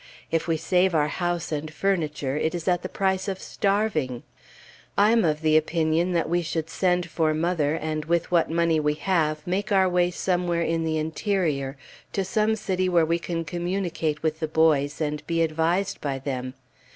If we save our house and furniture, it is at the price of starving. I am of opinion that we should send for mother, and with what money we have, make our way somewhere in the interior, to some city where we can communicate with the boys, and be advised by them.